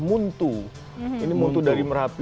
muntu ini muntu dari merapi